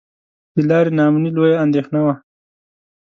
د لارې نا امني لویه اندېښنه وه.